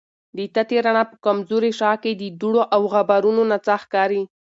د تتي رڼا په کمزورې شعاع کې د دوړو او غبارونو نڅا ښکاري.